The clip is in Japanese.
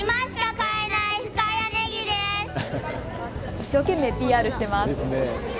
一生懸命ＰＲしてます。